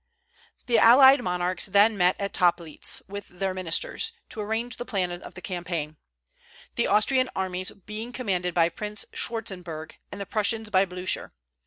The allied monarchs then met at Toplitz, with their ministers, to arrange the plan of the campaign, the Austrian armies being commanded by Prince Schwartzenberg, and the Prussians by Blücher.